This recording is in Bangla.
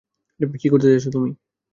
কী করতে যাচ্ছ তুমি?